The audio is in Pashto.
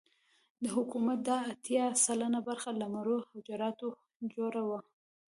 د حکومت دا اتيا سلنه برخه له مړو حجراتو جوړه وه.